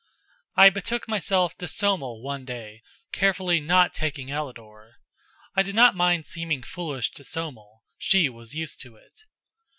I betook myself to Somel one day, carefully not taking Ellador. I did not mind seeming foolish to Somel she was used to it.